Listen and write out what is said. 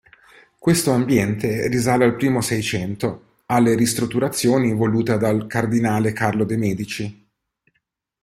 Questo ambiente risale al primo Seicento, alle ristrutturazioni voluta dal Cardinale Carlo de' Medici.